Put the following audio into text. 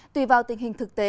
tùy vào tình hình thực tế